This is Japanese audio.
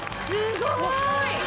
すごーい！